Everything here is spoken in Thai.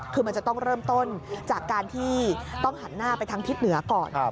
คือมันจะต้องเริ่มต้นจากการที่ต้องหันหน้าไปทางทิศเหนือก่อน